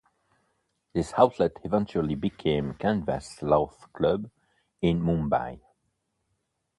This outlet eventually become Canvas Laugh Club in Mumbai.